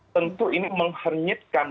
tentu ini menghenyitkan